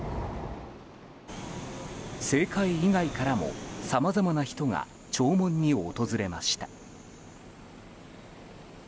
政界以外からもさまざまな人が弔問に訪れました。